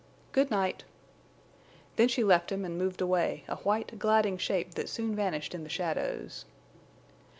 "Good night." Then she left him and moved away, a white, gliding shape that soon vanished in the shadows.